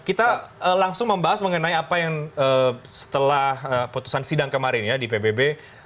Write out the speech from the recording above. kita langsung membahas mengenai apa yang setelah putusan sidang kemarin ya di pbb